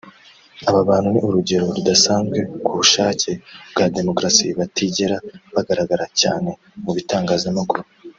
Aba bantu ni urugero rudasanzwe ku bushake (bwa demokarasi) batigera bagaragara cyane mu bitangazamakuru